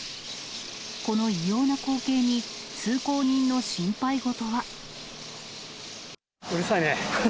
この異様な光景に、通行人の心配うるさいね。